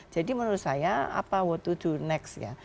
jadi menurut saya apa what to do next ya